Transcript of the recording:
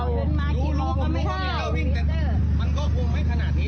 พื้นมากี่โมงมากี่โมงไม่เกี่ยว